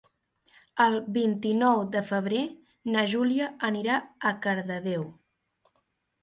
El vint-i-nou de febrer na Júlia anirà a Cardedeu.